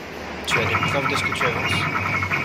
Tu as des preuves de ce que tu avances?